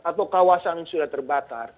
atau kawasan yang sudah terbakar